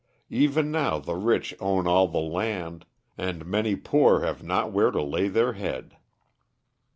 Even now the rich own all the land, and many poor have not where to lay their head.